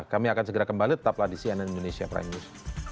kami akan segera kembali tetaplah di cnn indonesia prime news